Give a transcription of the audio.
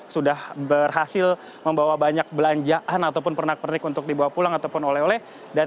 sudah berhasil membawa banyak belanjaan ataupun pernak pernik untuk dibawa pulang ataupun oleh oleh dan